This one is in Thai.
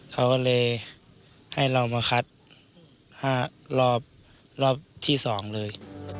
เขาก็เลยให้เรามาคัด๕รอบที่๒เลย